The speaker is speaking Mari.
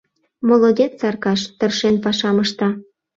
Молодец Аркаш, тыршен пашам ышта.